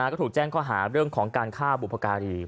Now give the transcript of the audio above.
ก็ถูกแจ้งข้อหาเรื่องของการฆ่าบุพการี